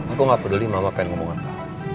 aku gak peduli mama pengen ngomong apa